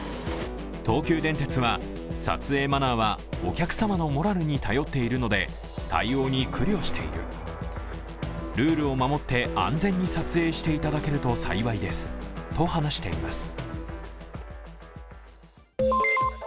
東急電鉄は、撮影マナーはお客様のモラルに頼っているので、対応に苦慮している、ルールを守って安全に撮影していただけると幸いですと話しています。